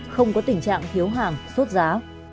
không có tình trạng thiếu hàng xuất giá